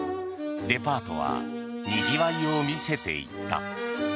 デパートはにぎわいを見せていった。